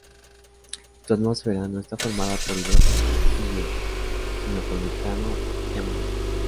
Su atmósfera no está formada por hidrógeno y helio, sino por metano y amoníaco.